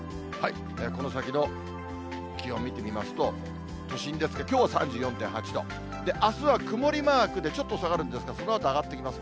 この先の気温見てみますと、都心ですが、きょうは３４．８度、あすは曇りマークで、ちょっと下がるんですが、そのあと上がってきます。